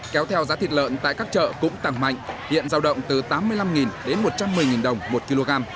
kéo theo giá thịt lợn tại các chợ cũng tăng mạnh hiện giao động từ tám mươi năm đến một trăm một mươi đồng một kg